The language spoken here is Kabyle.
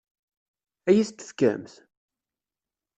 Ad iyi-t-tefkemt?